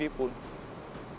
walaupun ada yang mau dipun